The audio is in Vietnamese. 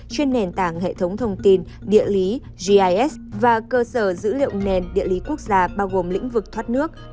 trên nền tảng hệ thống thông tin địa lý gis và cơ sở dữ liệu nền địa lý quốc gia bao gồm lĩnh vực thoát nước